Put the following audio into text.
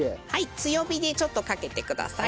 強火でちょっとかけてください。